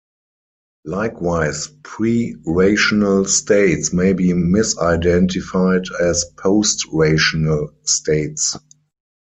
Likewise, pre-rational states may be misidentified as post-rational states.